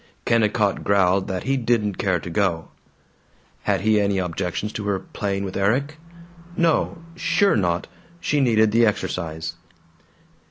Kennicott growled that he didn't care to go. Had he any objections to her playing with Erik? No; sure not; she needed the exercise.